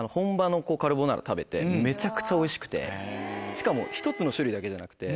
しかも１つの種類だけじゃなくて。